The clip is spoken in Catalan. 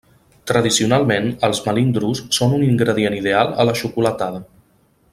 Tradicionalment els melindros són un ingredient ideal a la xocolatada.